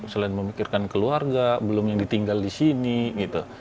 selain memikirkan keluarga belum yang ditinggal di sini gitu